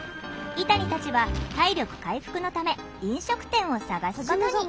イタニたちは体力回復のため飲食店を探すことに。